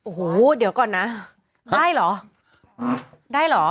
โอ้โหเดี๋ยวก่อนนะได้เหรอได้เหรอ